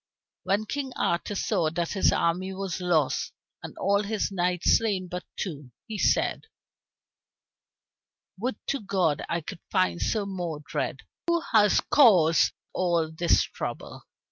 When King Arthur saw that his army was lost and all his knights slain but two, he said, "Would to God I could find Sir Modred, who has caused all this trouble."